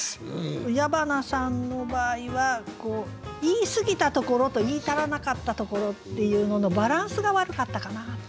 矢花さんの場合は言いすぎたところと言い足らなかったところっていうののバランスが悪かったかなと思いますね。